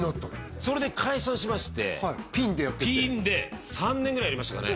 それで解散しましてピンでやっててピンで３年ぐらいやりましたかね